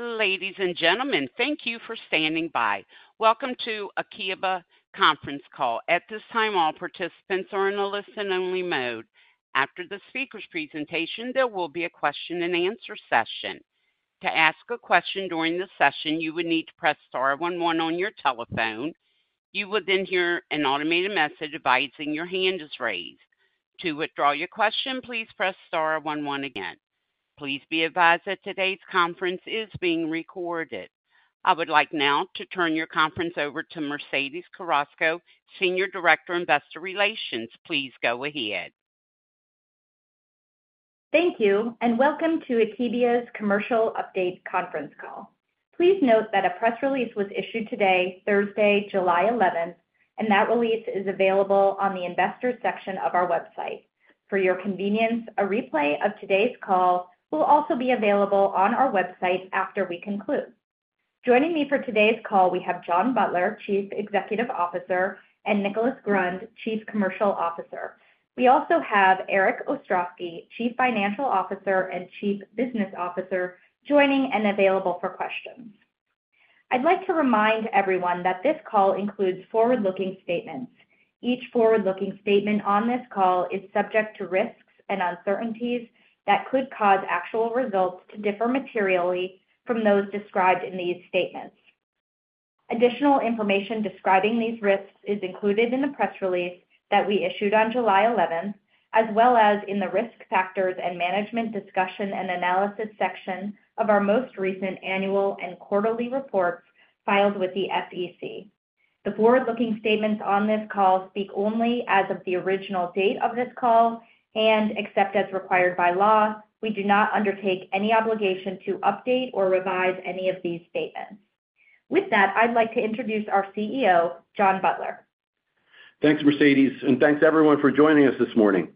Ladies and gentlemen, thank you for standing by. Welcome to Akebia conference call. At this time, all participants are in a listen-only mode. After the speaker's presentation, there will be a question-and-answer session. To ask a question during the session, you would need to press star one one on your telephone. You will then hear an automated message advising your hand is raised. To withdraw your question, please press star one one again. Please be advised that today's conference is being recorded. I would like now to turn your conference over to Mercedes Carrasco, Senior Director, Investor Relations. Please go ahead. Thank you, and welcome to Akebia's Commercial Update conference call. Please note that a press release was issued today, Thursday, July 11, and that release is available on the Investors section of our website. For your convenience, a replay of today's call will also be available on our website after we conclude. Joining me for today's call, we have John Butler, Chief Executive Officer, and Nicholas Grund, Chief Commercial Officer. We also have Erik Ostrowski, Chief Financial Officer and Chief Business Officer, joining and available for questions. I'd like to remind everyone that this call includes forward-looking statements. Each forward-looking statement on this call is subject to risks and uncertainties that could cause actual results to differ materially from those described in these statements. Additional information describing these risks is included in the press release that we issued on July 11th, as well as in the Risk Factors and Management Discussion and Analysis section of our most recent annual and quarterly reports filed with the SEC. The forward-looking statements on this call speak only as of the original date of this call, and except as required by law, we do not undertake any obligation to update or revise any of these statements. With that, I'd like to introduce our CEO, John Butler. Thanks, Mercedes, and thanks, everyone, for joining us this morning.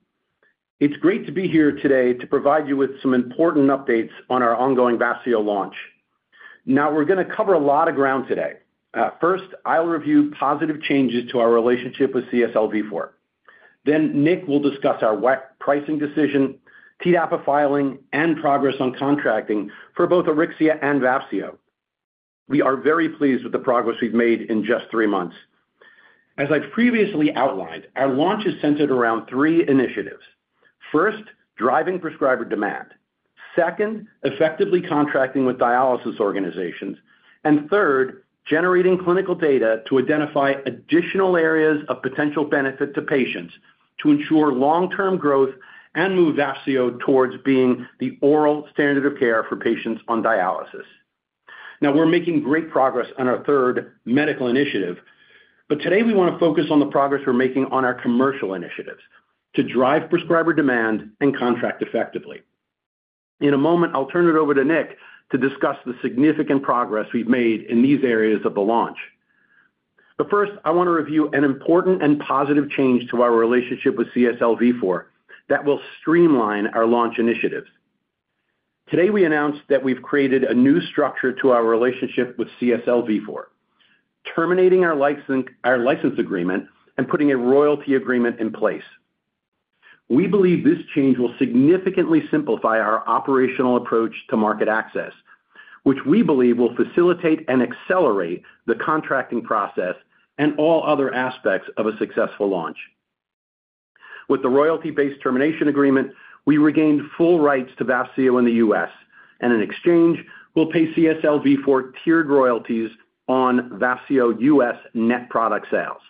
It's great to be here today to provide you with some important updates on our ongoing Vafseo launch. Now, we're going to cover a lot of ground today. First, I'll review positive changes to our relationship with CSL Vifor. Then Nick will discuss our WAC pricing decision, TDAPA filing, and progress on contracting for both Auryxia and Vafseo. We are very pleased with the progress we've made in just three months. As I've previously outlined, our launch is centered around three initiatives. First, driving prescriber demand; second, effectively contracting with dialysis organizations; and third, generating clinical data to identify additional areas of potential benefit to patients to ensure long-term growth and move Vafseo towards being the oral standard of care for patients on dialysis. Now, we're making great progress on our third medical initiative, but today we want to focus on the progress we're making on our commercial initiatives to drive prescriber demand and contract effectively. In a moment, I'll turn it over to Nick to discuss the significant progress we've made in these areas of the launch. But first, I want to review an important and positive change to our relationship with CSL Vifor that will streamline our launch initiatives. Today, we announced that we've created a new structure to our relationship with CSL Vifor, terminating our license, our license agreement and putting a royalty agreement in place. We believe this change will significantly simplify our operational approach to market access, which we believe will facilitate and accelerate the contracting process and all other aspects of a successful launch. With the royalty-based termination agreement, we regained full rights to Vafseo in the US, and in exchange, we'll pay CSL Vifor tiered royalties on Vafseo US net product sales.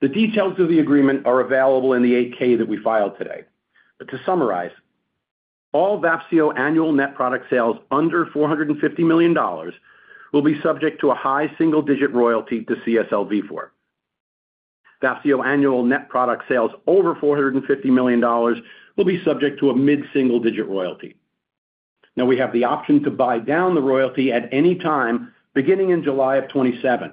The details of the agreement are available in the 8-K that we filed today. But to summarize, all Vafseo annual net product sales under $450 million will be subject to a high single-digit royalty to CSL Vifor. Vafseo annual net product sales over $450 million will be subject to a mid-single-digit royalty. Now we have the option to buy down the royalty at any time, beginning in July 2027.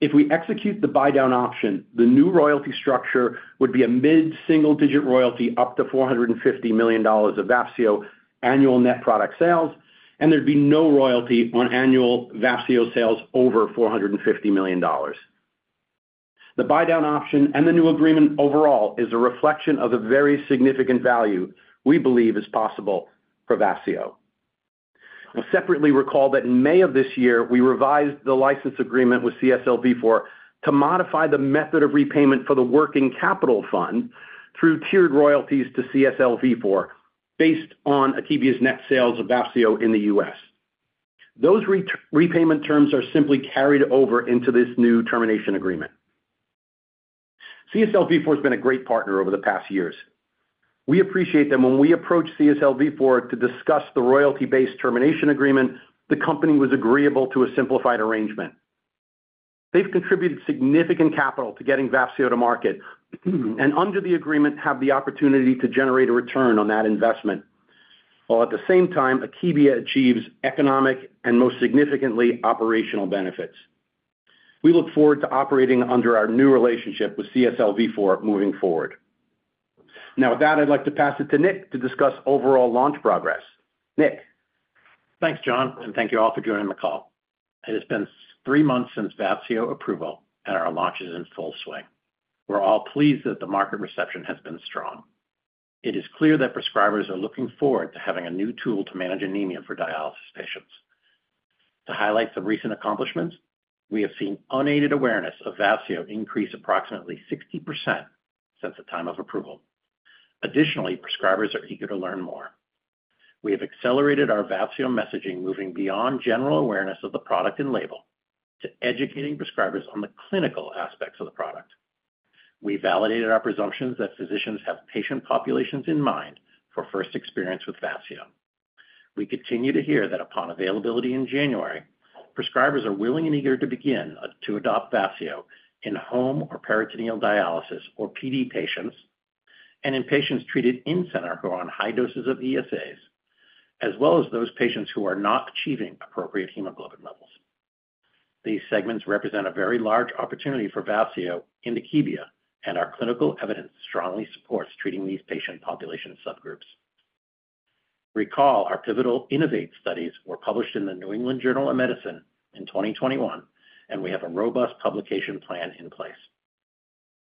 If we execute the buy down option, the new royalty structure would be a mid-single-digit royalty up to $450 million of Vafseo annual net product sales, and there'd be no royalty on annual Vafseo sales over $450 million. The buy down option and the new agreement overall is a reflection of the very significant value we believe is possible for Vafseo. We separately recall that in May of this year, we revised the license agreement with CSL Vifor to modify the method of repayment for the working capital fund through tiered royalties to CSL Vifor, based on Akebia's net sales of Vafseo in the US. Those repayment terms are simply carried over into this new termination agreement. CSL Vifor has been a great partner over the past years. We appreciate that when we approached CSL Vifor to discuss the royalty-based termination agreement, the company was agreeable to a simplified arrangement. They've contributed significant capital to getting Vafseo to market, and under the agreement, have the opportunity to generate a return on that investment, while at the same time, Akebia achieves economic and, most significantly, operational benefits. We look forward to operating under our new relationship with CSL Vifor moving forward. Now, with that, I'd like to pass it to Nick to discuss overall launch progress. Nick? Thanks, John, and thank you all for joining the call.... It has been three months since Vafseo approval, and our launch is in full swing. We're all pleased that the market reception has been strong. It is clear that prescribers are looking forward to having a new tool to manage anemia for dialysis patients. To highlight some recent accomplishments, we have seen unaided awareness of Vafseo increase approximately 60% since the time of approval. Additionally, prescribers are eager to learn more. We have accelerated our Vafseo messaging, moving beyond general awareness of the product and label, to educating prescribers on the clinical aspects of the product. We validated our presumptions that physicians have patient populations in mind for first experience with Vafseo. We continue to hear that upon availability in January, prescribers are willing and eager to begin to adopt Vafseo in home or peritoneal dialysis or PD patients, and in patients treated in-center who are on high doses of ESAs, as well as those patients who are not achieving appropriate hemoglobin levels. These segments represent a very large opportunity for Vafseo in Akebia, and our clinical evidence strongly supports treating these patient population subgroups. Recall, our pivotal INNO2VATE studies were published in the New England Journal of Medicine in 2021, and we have a robust publication plan in place.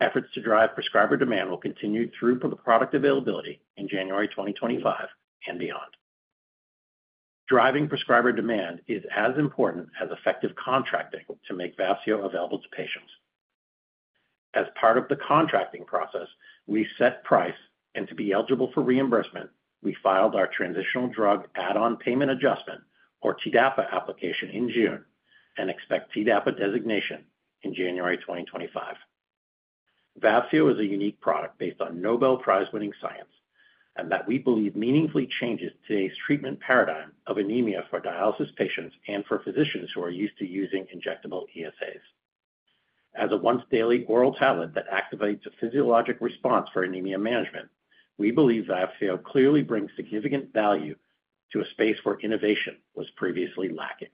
Efforts to drive prescriber demand will continue through for the product availability in January 2025 and beyond. Driving prescriber demand is as important as effective contracting to make Vafseo available to patients. As part of the contracting process, we set price, and to be eligible for reimbursement, we filed our Transitional Drug Add-On Payment Adjustment, or TDAPA application in June and expect TDAPA designation in January 2025. Vafseo is a unique product based on Nobel Prize-winning science, and that we believe meaningfully changes today's treatment paradigm of anemia for dialysis patients and for physicians who are used to using injectable ESAs. As a once-daily oral tablet that activates a physiologic response for anemia management, we believe Vafseo clearly brings significant value to a space where innovation was previously lacking.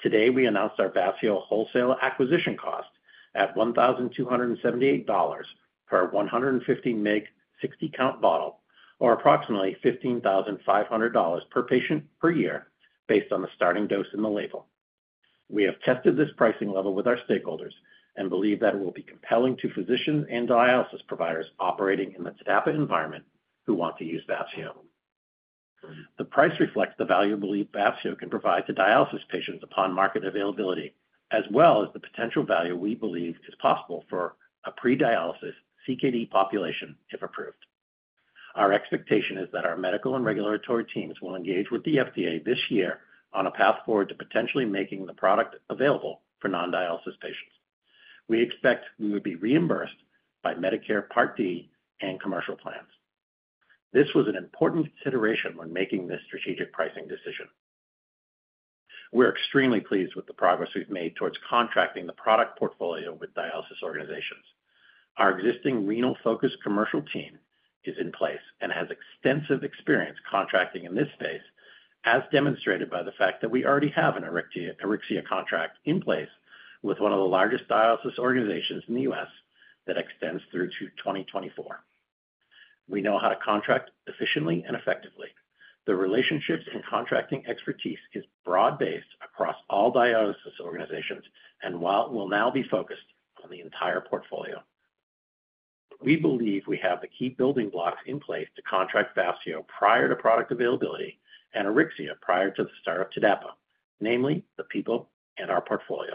Today, we announced our Vafseo wholesale acquisition cost at $1,278 per 150 mg, 60-count bottle, or approximately $15,500 per patient per year, based on the starting dose in the label. We have tested this pricing level with our stakeholders and believe that it will be compelling to physicians and dialysis providers operating in the TDAPA environment who want to use Vafseo. The price reflects the value we believe Vafseo can provide to dialysis patients upon market availability, as well as the potential value we believe is possible for a pre-dialysis CKD population, if approved. Our expectation is that our medical and regulatory teams will engage with the FDA this year on a path forward to potentially making the product available for non-dialysis patients. We expect we would be reimbursed by Medicare Part D and commercial plans. This was an important consideration when making this strategic pricing decision. We're extremely pleased with the progress we've made towards contracting the product portfolio with dialysis organizations. Our existing renal-focused commercial team is in place and has extensive experience contracting in this space, as demonstrated by the fact that we already have an existing Auryxia contract in place with one of the largest dialysis organizations in the U.S. that extends through to 2024. We know how to contract efficiently and effectively. The relationships and contracting expertise is broad-based across all dialysis organizations and while will now be focused on the entire portfolio. We believe we have the key building blocks in place to contract Vafseo prior to product availability and Auryxia prior to the start of TDAPA, namely the people and our portfolio.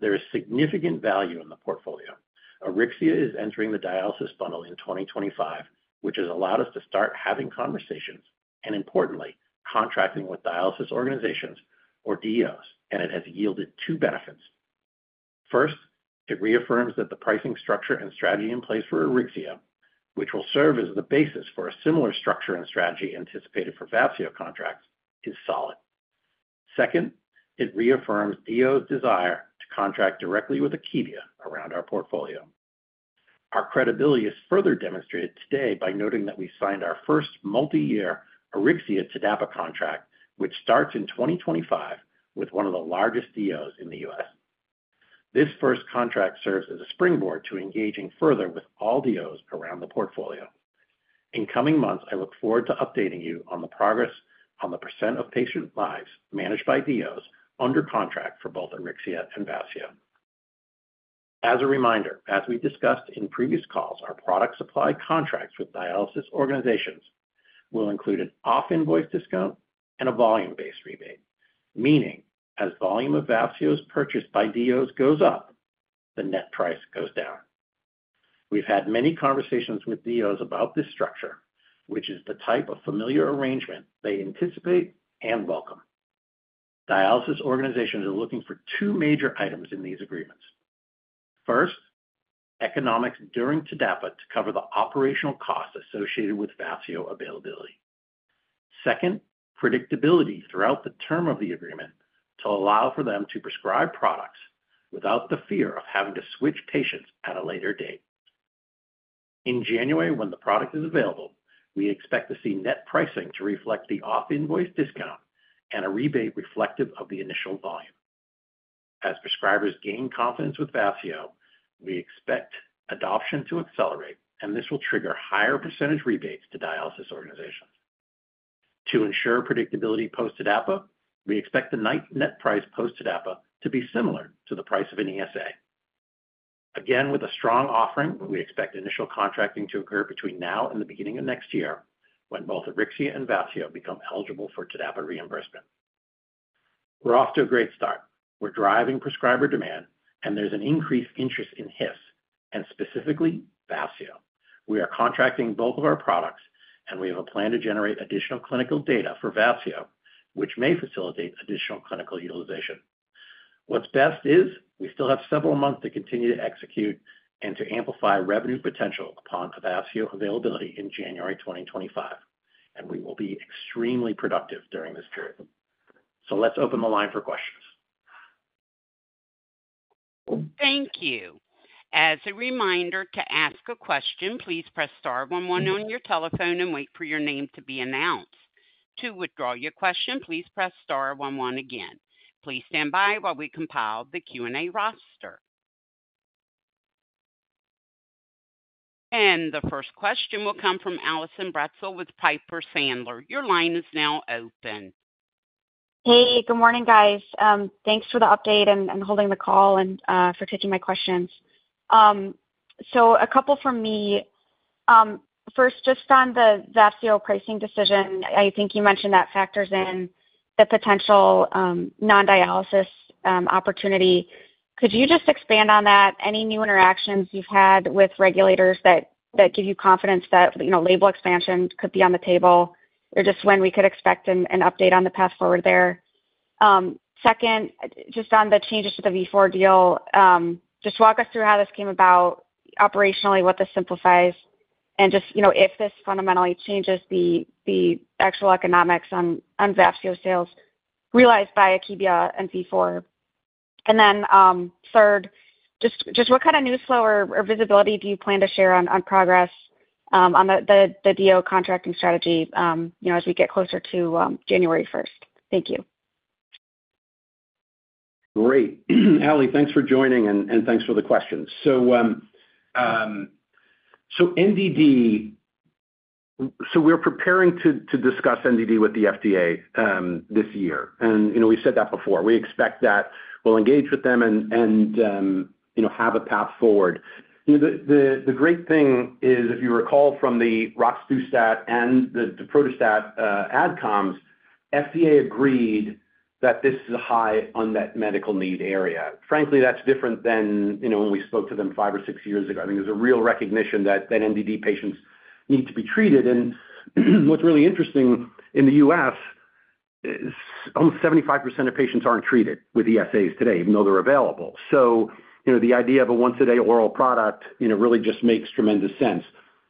There is significant value in the portfolio. Auryxia is entering the dialysis bundle in 2025, which has allowed us to start having conversations, and importantly, contracting with dialysis organizations or DOs, and it has yielded two benefits. First, it reaffirms that the pricing structure and strategy in place for Auryxia, which will serve as the basis for a similar structure and strategy anticipated for Vafseo contracts, is solid. Second, it reaffirms DO's desire to contract directly with Akebia around our portfolio. Our credibility is further demonstrated today by noting that we signed our first multiyear Auryxia TDAPA contract, which starts in 2025 with one of the largest DOs in the U.S. This first contract serves as a springboard to engaging further with all DOs around the portfolio. In coming months, I look forward to updating you on the progress on the percent of patient lives managed by DOs under contract for both Auryxia and Vafseo. As a reminder, as we discussed in previous calls, our product supply contracts with dialysis organizations will include an off-invoice discount and a volume-based rebate, meaning as volume of Vafseo is purchased by DOs goes up, the net price goes down. We've had many conversations with DOs about this structure, which is the type of familiar arrangement they anticipate and welcome. Dialysis organizations are looking for two major items in these agreements. First, economics during TDAPA to cover the operational costs associated with Vafseo availability. Second, predictability throughout the term of the agreement to allow for them to prescribe products without the fear of having to switch patients at a later date. In January, when the product is available, we expect to see net pricing to reflect the off-invoice discount and a rebate reflective of the initial volume.... as prescribers gain confidence with Vafseo, we expect adoption to accelerate, and this will trigger higher percentage rebates to dialysis organizations. To ensure predictability post-TDAPA, we expect the net net price post-TDAPA to be similar to the price of an ESA. Again, with a strong offering, we expect initial contracting to occur between now and the beginning of next year, when both Auryxia and Vafseo become eligible for TDAPA reimbursement. We're off to a great start. We're driving prescriber demand, and there's an increased interest in HIF and specifically Vafseo. We are contracting both of our products, and we have a plan to generate additional clinical data for Vafseo, which may facilitate additional clinical utilization. What's best is we still have several months to continue to execute and to amplify revenue potential upon Vafseo availability in January 2025, and we will be extremely productive during this period. Let's open the line for questions. Thank you. As a reminder, to ask a question, please press star one one on your telephone and wait for your name to be announced. To withdraw your question, please press star one one again. Please stand by while we compile the Q&A roster. The first question will come from Allison Bratzel with Piper Sandler. Your line is now open. Hey, good morning, guys. Thanks for the update and holding the call and for taking my questions. So a couple from me. First, just on the Vafseo pricing decision, I think you mentioned that factors in the potential non-dialysis opportunity. Could you just expand on that? Any new interactions you've had with regulators that give you confidence that, you know, label expansion could be on the table, or just when we could expect an update on the path forward there? Second, just on the changes to the Vifor deal, just walk us through how this came about operationally, what this simplifies, and just, you know, if this fundamentally changes the actual economics on Vafseo sales realized by Akebia and Vifor. Then, third, just what kind of news flow or visibility do you plan to share on progress on the deal contracting strategy, you know, as we get closer to January first? Thank you. Great. Allie, thanks for joining, and thanks for the questions. So, NDD, so we're preparing to discuss NDD with the FDA this year. And, you know, we've said that before. We expect that we'll engage with them and, you know, have a path forward. You know, the great thing is, if you recall from the roxadustat and the daprodustat, AdComs, FDA agreed that this is a high unmet medical need area. Frankly, that's different than, you know, when we spoke to them five or six years ago. I think there's a real recognition that NDD patients need to be treated. And what's really interesting in the U.S. is almost 75% of patients aren't treated with ESAs today, even though they're available. So, you know, the idea of a once-a-day oral product, you know, really just makes tremendous sense.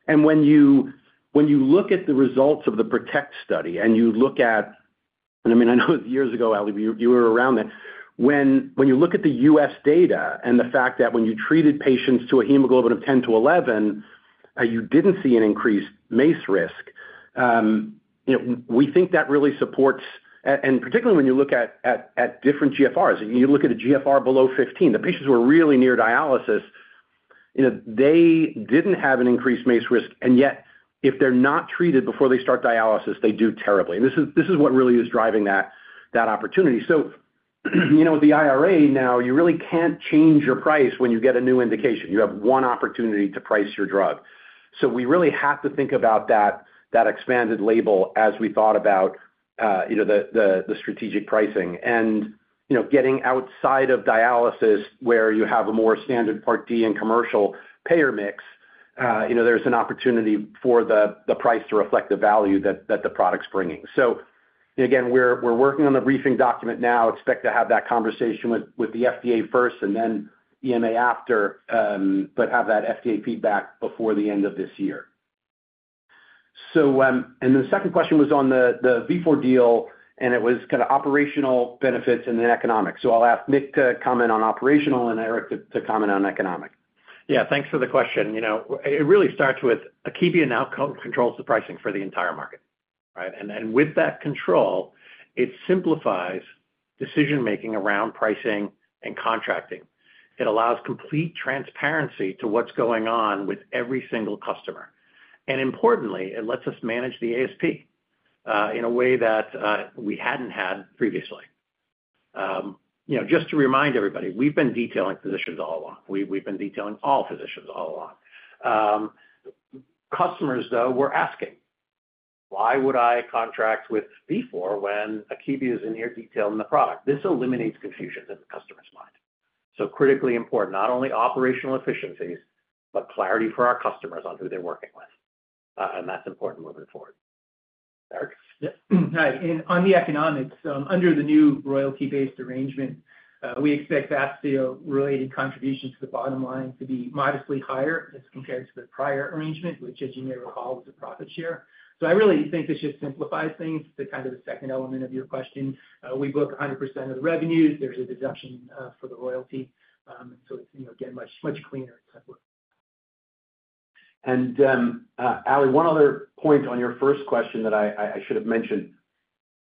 And when you look at the results of the PRO2TECT study, I mean, I know years ago, Allie, you were around then. When you look at the US data and the fact that when you treated patients to a hemoglobin of 10-11, you know, we think that really supports and particularly when you look at different GFRs, and you look at a GFR below 15, the patients who are really near dialysis, you know, they didn't have an increased MACE risk, and yet, if they're not treated before they start dialysis, they do terribly. And this is what really is driving that opportunity. So, you know, with the IRA now, you really can't change your price when you get a new indication. You have one opportunity to price your drug. So we really have to think about that expanded label as we thought about, you know, the strategic pricing. And, you know, getting outside of dialysis, where you have a more standard Part D and commercial payer mix, you know, there's an opportunity for the price to reflect the value that the product's bringing. So again, we're working on the briefing document now. Expect to have that conversation with the FDA first and then EMA after, but have that FDA feedback before the end of this year. So, and the second question was on the Vifor deal, and it was kind of operational benefits and the economics. So I'll ask Nick to comment on operational and Erik to comment on economic. Yeah, thanks for the question. You know, it really starts with Akebia now co-controls the pricing for the entire market, right? And then with that control, it simplifies decision-making around pricing and contracting. It allows complete transparency to what's going on with every single customer. And importantly, it lets us manage the ASP in a way that we hadn't had previously. You know, just to remind everybody, we've been detailing physicians all along. We've been detailing all physicians all along. Customers, though, were asking, "Why would I contract with Vifor when Akebia is in here detailing the product?" This eliminates confusion in the customer's mind. So critically important, not only operational efficiencies, but clarity for our customers on who they're working with. And that's important moving forward. Eric? Hi, and on the economics, under the new royalty-based arrangement, we expect Vafseo-related contribution to the bottom line to be modestly higher as compared to the prior arrangement, which, as you may recall, was a profit share. So I really think this just simplifies things to kind of the second element of your question. We book 100% of the revenues. There's a deduction, for the royalty. So it's, you know, again, much, much cleaner type of work.... And, Allie, one other point on your first question that I should have mentioned,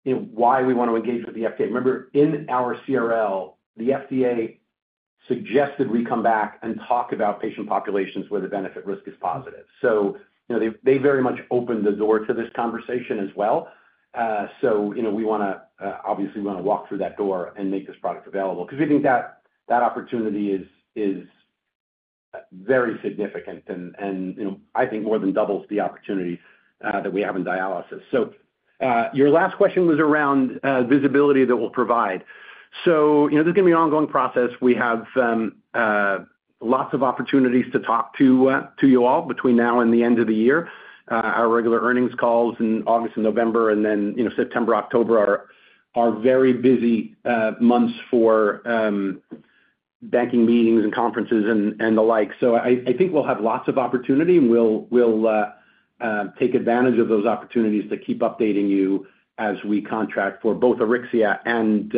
you know, why we want to engage with the FDA. Remember, in our CRL, the FDA suggested we come back and talk about patient populations where the benefit risk is positive. So, you know, they very much opened the door to this conversation as well. So, you know, we want to obviously, we want to walk through that door and make this product available because we think that opportunity is very significant and, you know, I think more than doubles the opportunity that we have in dialysis. So, your last question was around visibility that we'll provide. So, you know, this is going to be an ongoing process. We have lots of opportunities to talk to you all between now and the end of the year. Our regular earnings calls in August and November, and then, you know, September, October are very busy months for banking meetings and conferences and the like. So I think we'll have lots of opportunity, and we'll take advantage of those opportunities to keep updating you as we contract for both Auryxia and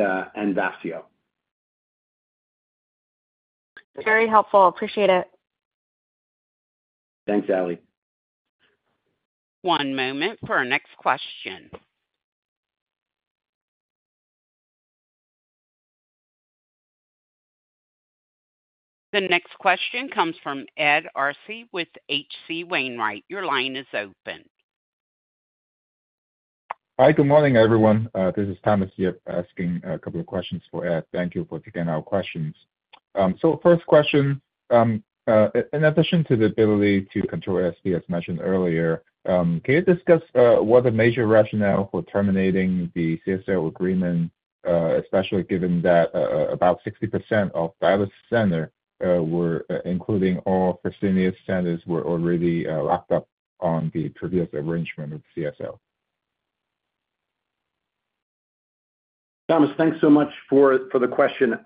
Vafseo. Very helpful. Appreciate it. Thanks, Allie. One moment for our next question. The next question comes from Ed Arce with H.C. Wainwright. Your line is open. Hi, good morning, everyone. This is Thomas Yip asking a couple of questions for Ed. Thank you for taking our questions. So first question, in addition to the ability to control SD, as mentioned earlier, can you discuss what the major rationale for terminating the CSL agreement, especially given that about 60% of dialysis center were, including all Fresenius centers, were already locked up on the previous arrangement with CSL? Thomas, thanks so much for the question.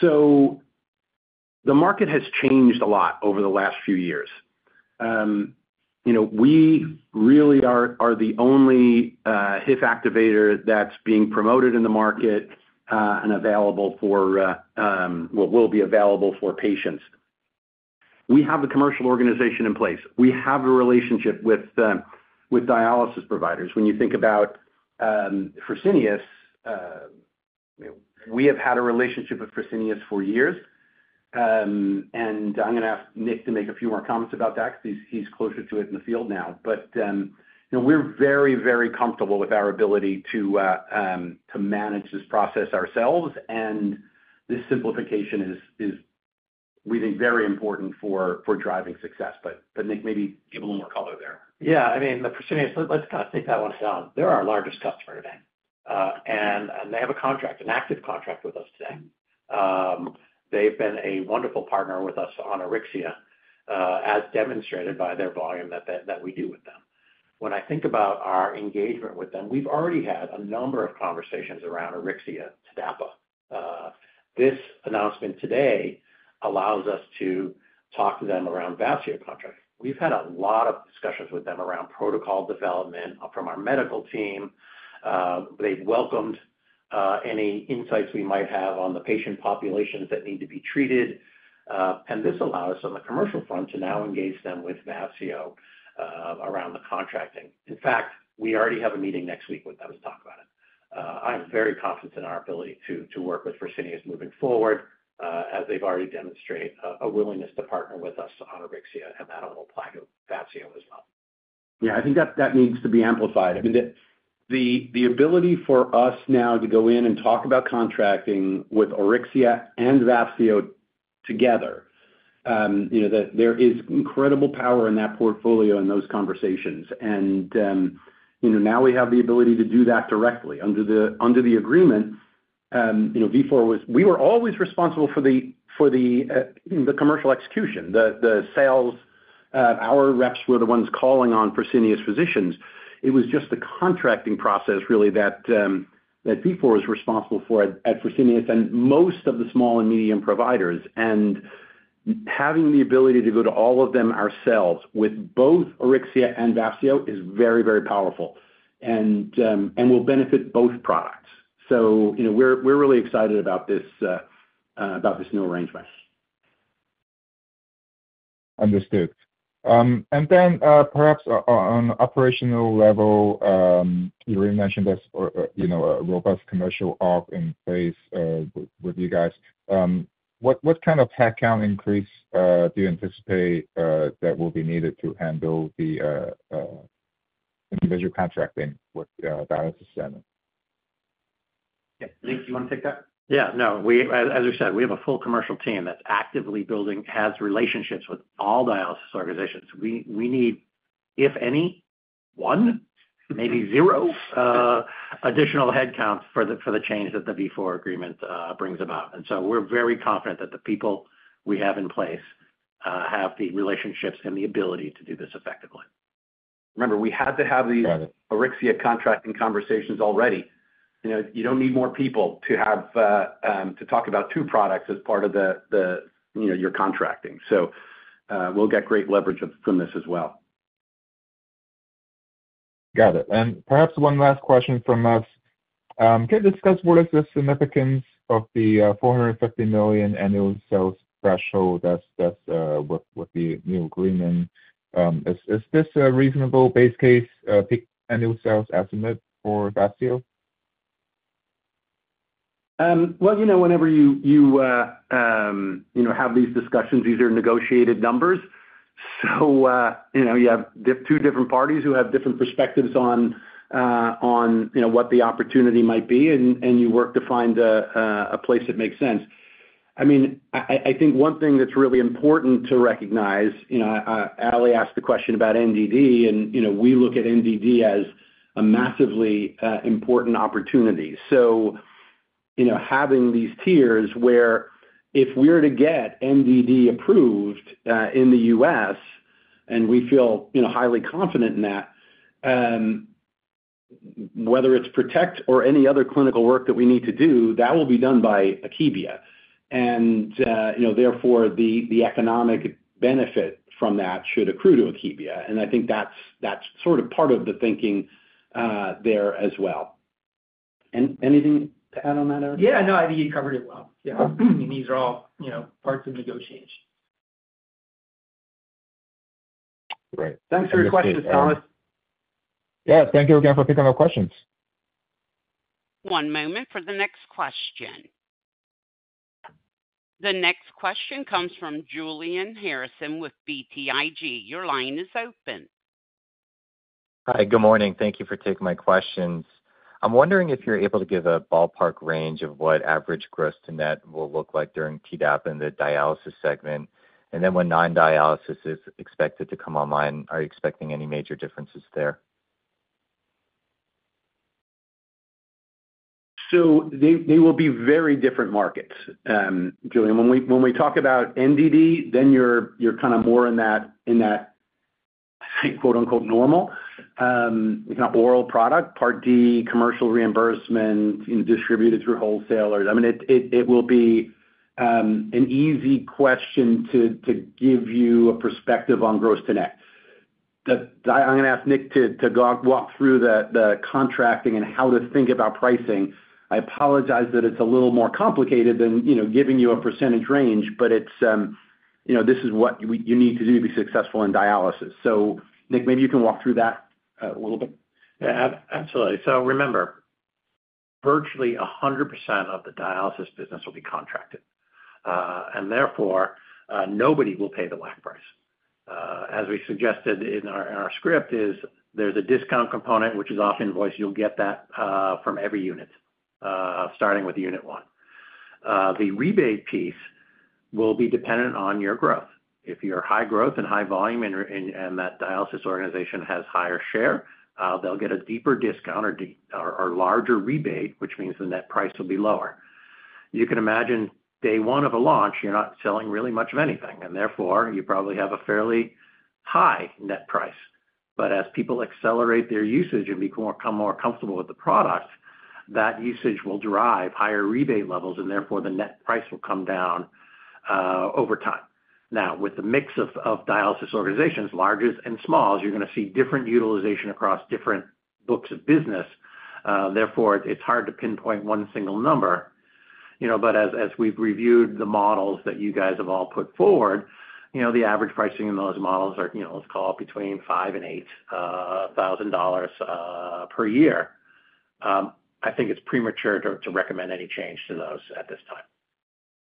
So the market has changed a lot over the last few years. You know, we really are the only HIF activator that's being promoted in the market, and available for, well, will be available for patients. We have a commercial organization in place. We have a relationship with dialysis providers. When you think about Fresenius, we have had a relationship with Fresenius for years, and I'm going to ask Nick to make a few more comments about that because he's closer to it in the field now. But you know, we're very, very comfortable with our ability to manage this process ourselves, and this simplification is we think, very important for driving success. But Nick, maybe give a little more color there. Yeah, I mean, the Fresenius, let's kind of take that one down. They're our largest customer today, and they have a contract, an active contract with us today. They've been a wonderful partner with us on Auryxia, as demonstrated by their volume that we do with them. When I think about our engagement with them, we've already had a number of conversations around Auryxia TDAPA. This announcement today allows us to talk to them around Vafseo contract. We've had a lot of discussions with them around protocol development from our medical team. They've welcomed any insights we might have on the patient populations that need to be treated, and this allows us on the commercial front, to now engage them with Vafseo, around the contracting. In fact, we already have a meeting next week with them to talk about it. I'm very confident in our ability to work with Fresenius moving forward, as they've already demonstrated a willingness to partner with us on Auryxia and that whole plan of Vafseo as well. Yeah, I think that needs to be amplified. I mean, the ability for us now to go in and talk about contracting with Auryxia and Vafseo together, you know, that there is incredible power in that portfolio in those conversations. And, you know, now we have the ability to do that directly. Under the agreement, you know, Vifor was-- we were always responsible for the commercial execution, the sales, our reps were the ones calling on Fresenius physicians. It was just the contracting process, really, that Vifor is responsible for at Fresenius and most of the small and medium providers. And having the ability to go to all of them ourselves, with both Auryxia and Vafseo, is very, very powerful and will benefit both products. You know, we're really excited about this new arrangement. Understood. And then, perhaps on operational level, you already mentioned this, you know, a robust commercial op in place with you guys. What kind of head count increase do you anticipate that will be needed to handle the individual contracting with dialysis center? Yeah. Nick, you want to take that? Yeah, no, we, as, as we said, we have a full commercial team that's actively building, has relationships with all dialysis organizations. We, we need, if any, one, maybe zero additional headcounts for the, for the change that the Vifor agreement brings about. And so we're very confident that the people we have in place have the relationships and the ability to do this effectively. Remember, we had to have the- Got it. Auryxia contracting conversations already. You know, you don't need more people to have, to talk about two products as part of the, the, you know, your contracting. So, we'll get great leverage from this as well. ... Got it. And perhaps one last question from us. Can you discuss what is the significance of the $450 million annual sales threshold that's with the new agreement? Is this a reasonable base case peak annual sales estimate for Vafseo? Well, you know, whenever you you know have these discussions, these are negotiated numbers. So, you know, you have two different parties who have different perspectives on you know what the opportunity might be, and you work to find a place that makes sense. I mean, I think one thing that's really important to recognize, you know, Ally asked the question about NDD, and, you know, we look at NDD as a massively important opportunity. So, you know, having these tiers where if we're to get NDD approved in the U.S., and we feel, you know, highly confident in that, whether it's PRO2TECT or any other clinical work that we need to do, that will be done by Akebia. And, you know, therefore, the economic benefit from that should accrue to Akebia. I think that's sort of part of the thinking there as well. Anything to add on that, Erik? Yeah, no, I think you covered it well. Yeah. I mean, these are all, you know, parts of negotiation. Right. Thanks for your questions, Thomas. Yeah. Thank you again for taking our questions. One moment for the next question. The next question comes from Julian Harrison with BTIG. Your line is open. Hi, good morning. Thank you for taking my questions. I'm wondering if you're able to give a ballpark range of what average gross to net will look like during TDAPA in the dialysis segment. And then when non-dialysis is expected to come online, are you expecting any major differences there? So they will be very different markets, Julian. When we talk about NDD, then you're kind of more in that quote, unquote, "normal," oral product, Part D, commercial reimbursement, you know, distributed through wholesalers. I mean, it will be an easy question to give you a perspective on gross to net. I'm gonna ask Nick to go walk through the contracting and how to think about pricing. I apologize that it's a little more complicated than, you know, giving you a percentage range, but it's, you know, this is what you need to do to be successful in dialysis. So Nick, maybe you can walk through that a little bit. Yeah, absolutely. So remember, virtually 100% of the dialysis business will be contracted, and therefore, nobody will pay the WAC price. As we suggested in our script, there's a discount component which is off invoice. You'll get that from every unit, starting with unit one. The rebate piece will be dependent on your growth. If you're high growth and high volume and that dialysis organization has higher share, they'll get a deeper discount or larger rebate, which means the net price will be lower. You can imagine day one of a launch, you're not selling really much of anything, and therefore, you probably have a fairly high net price. But as people accelerate their usage and become more comfortable with the product, that usage will derive higher rebate levels, and therefore, the net price will come down over time. Now, with the mix of dialysis organizations, larges and smalls, you're gonna see different utilization across different books of business. Therefore, it's hard to pinpoint one single number, you know, but as we've reviewed the models that you guys have all put forward, you know, the average pricing in those models are, you know, let's call it between $5,000 and $8,000 per year. I think it's premature to recommend any change to those at this time.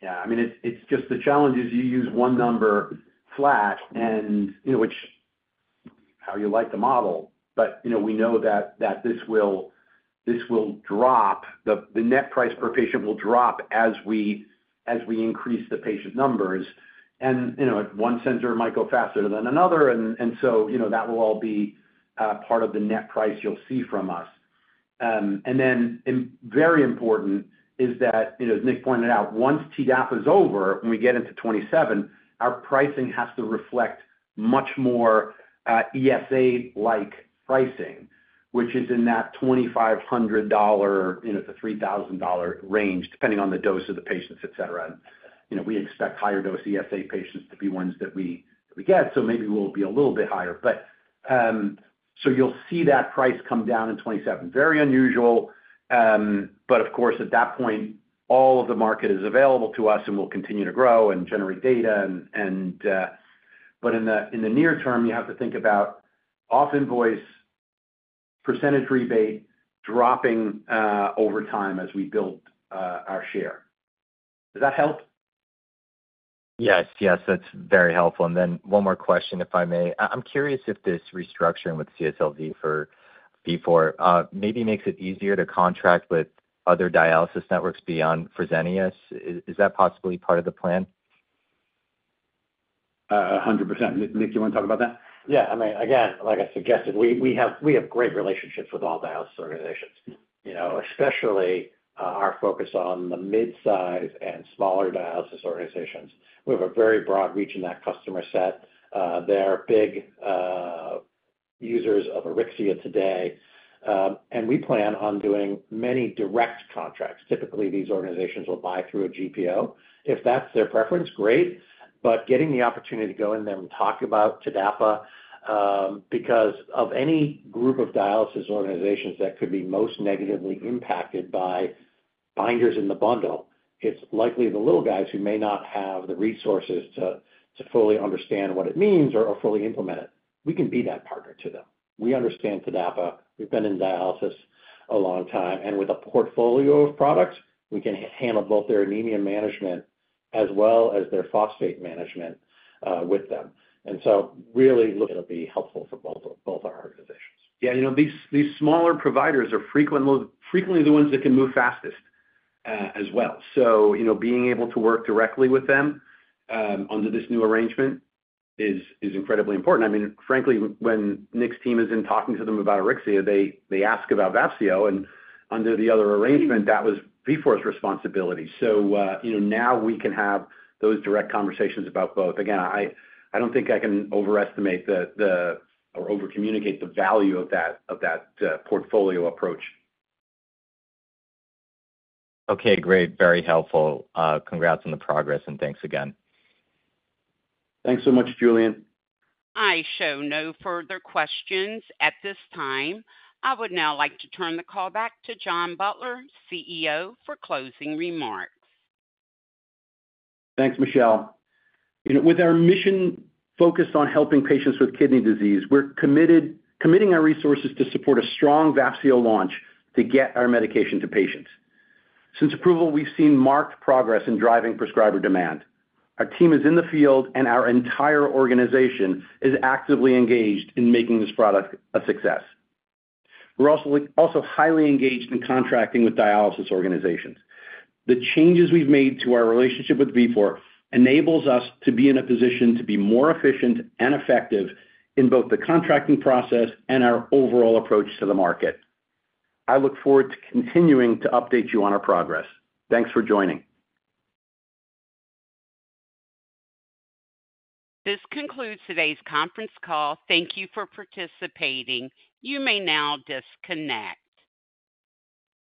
Yeah, I mean, it's just the challenge is you use one number flat and, you know, which how you like to model, but, you know, we know that this will drop. The net price per patient will drop as we increase the patient numbers. And, you know, one center might go faster than another, and so, you know, that will all be part of the net price you'll see from us. And then, and very important is that, you know, as Nick pointed out, once TDAPA is over, when we get into 2027, our pricing has to reflect much more ESA-like pricing, which is in that $2,500-$3,000 range, depending on the dose of the patients, et cetera. You know, we expect higher dose ESA patients to be ones that we get, so maybe we'll be a little bit higher. But so you'll see that price come down in 2027. Very unusual, but of course, at that point, all of the market is available to us, and we'll continue to grow and generate data. But in the near term, you have to think about off-invoice percentage rebate dropping over time as we build our share. Does that help? Yes, yes, that's very helpful. And then one more question, if I may. I'm curious if this restructuring with CSL Vifor for Vafseo, maybe makes it easier to contract with other dialysis networks beyond Fresenius. Is, is that possibly part of the plan? 100%. Nick, Nick, you want to talk about that? Yeah. I mean, again, like I suggested, we have great relationships with all dialysis organizations. You know, especially, our focus on the midsize and smaller dialysis organizations. We have a very broad reach in that customer set. They are big users of Auryxia today. And we plan on doing many direct contracts. Typically, these organizations will buy through a GPO. If that's their preference, great, but getting the opportunity to go in there and talk about TDAPA, because of any group of dialysis organizations that could be most negatively impacted by binders in the bundle, it's likely the little guys who may not have the resources to fully understand what it means or fully implement it. We can be that partner to them. We understand TDAPA. We've been in dialysis a long time, and with a portfolio of products, we can handle both their anemia management as well as their phosphate management, with them. So really look, it'll be helpful for both, both our organizations. Yeah, you know, these smaller providers are frequently the ones that can move fastest, as well. So, you know, being able to work directly with them under this new arrangement is incredibly important. I mean, frankly, when Nick's team is in talking to them about Auryxia, they ask about Vafseo, and under the other arrangement, that was Vifor's responsibility. So, you know, now we can have those direct conversations about both. Again, I don't think I can overestimate or overcommunicate the value of that portfolio approach. Okay, great. Very helpful. Congrats on the progress, and thanks again. Thanks so much, Julian. I show no further questions at this time. I would now like to turn the call back to John Butler, CEO, for closing remarks. Thanks, Michelle. You know, with our mission focused on helping patients with kidney disease, we're committing our resources to support a strong Vafseo launch to get our medication to patients. Since approval, we've seen marked progress in driving prescriber demand. Our team is in the field, and our entire organization is actively engaged in making this product a success. We're also highly engaged in contracting with dialysis organizations. The changes we've made to our relationship with Vifor enables us to be in a position to be more efficient and effective in both the contracting process and our overall approach to the market. I look forward to continuing to update you on our progress. Thanks for joining. This concludes today's conference call. Thank you for participating. You may now disconnect.